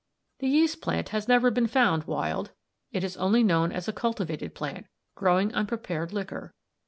"The yeast plant has never been found wild. It is only known as a cultivated plant, growing on prepared liquor.